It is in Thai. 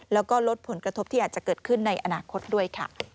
แล้วก็ลดผลกระทบที่อาจจะเกิดขึ้นในอนาคตด้วยค่ะ